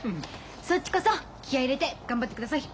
そっちこそ気合い入れて頑張ってください。